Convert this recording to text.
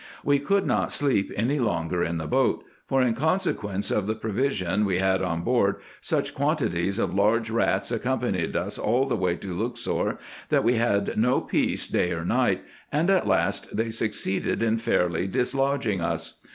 We could not sleep any longer in the boat ; for in consequence of the provision we had on board, such quantities of large rats accompanied us all the way to Luxor, that we had no peace day or night, and at last they succeeded in fairly dislodging us.